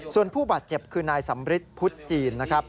ส่วนผู้บาดเจ็บคือนายสำฤิษฎ์พุธจีน